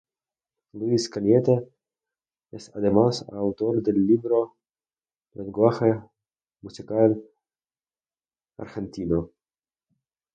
Luis Cañete es además autor del libro "Lenguaje musical argentino".